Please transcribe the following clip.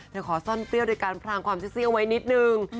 แต่ขอซ่อนเปรี้ยวด้วยการพรางความเซ็กซี่เอาไว้นิดหนึ่ง